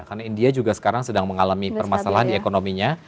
karena india juga sekarang sedang mengalami permasalahan di ekonominya